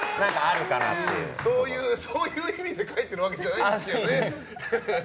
そういう意味で書いてるわけじゃないんですけどね。